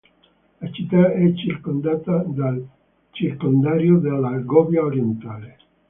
La città è circondata dal circondario dell'Algovia Orientale.